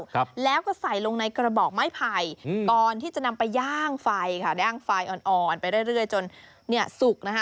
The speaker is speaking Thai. ครับแล้วก็ใส่ลงในกระบอกไม้ไผ่อืมก่อนที่จะนำไปย่างไฟค่ะด้างไฟอ่อนอ่อนไปเรื่อยเรื่อยจนเนี่ยสุกนะคะ